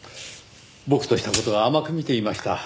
僕とした事が甘く見ていました。